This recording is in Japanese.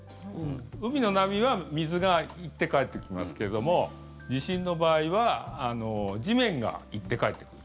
海の波は水が行って帰ってきますけれども地震の場合は地面が行って帰ってくる。